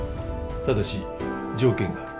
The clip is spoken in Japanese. ただし条件がある。